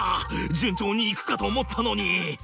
順調に行くかと思ったのに！